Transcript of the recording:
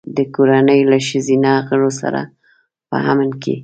د کورنۍ له ښځینه غړو سره په امن کې.